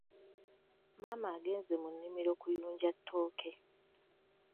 Maama agenze mu nnimiro kuyunja tooke.